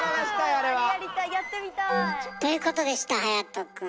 あれやりたいやってみたい。ということでした隼くん。